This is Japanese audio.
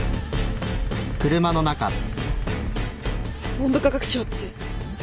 文部科学省って。